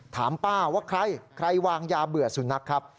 ถามป้าว่าใครใครวางยาเบื่อสุนัขครับ